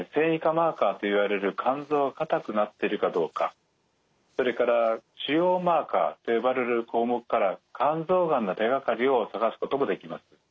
マーカーといわれる肝臓が硬くなってるかどうかそれから腫瘍マーカーと呼ばれる項目から肝臓がんの手がかりを探すこともできます。